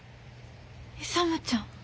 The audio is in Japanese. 勇ちゃん。